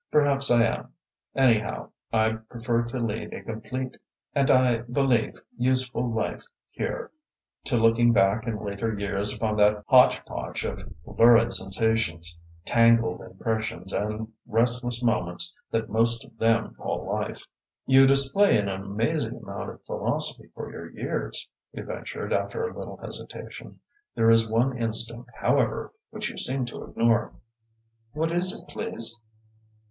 Perhaps I am. Anyhow, I prefer to lead a complete and, I believe, useful life here, to looking back in later years upon that hotchpotch of lurid sensations, tangled impressions and restless moments that most of them call life." "You display an amazing amount of philosophy for your years," he ventured, after a little hesitation. "There is one instinct, however, which you seem to ignore." "What is it, please?"